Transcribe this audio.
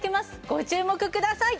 ご注目ください。